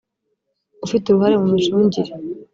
ufite uruhare mu micungire